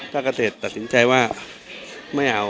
ถ้าเกษตรตัดสินใจว่าไม่เอา